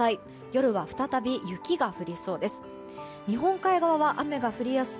夜は再び雪が降りそうです。